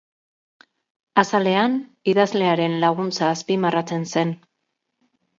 Azalean idazlearen laguntza azpimarratzen zen.